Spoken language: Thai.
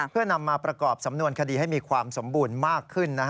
เพื่อนำมาประกอบสำนวนคดีให้มีความสมบูรณ์มากขึ้น